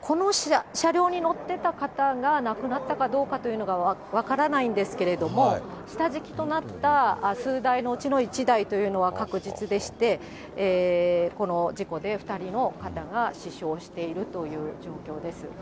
この車両に乗ってた方が亡くなったかどうかというのは分からないんですけれども、下敷きとなった数台のうちの１台というのは確実でして、この事故で２人の方が死傷しているという状況です。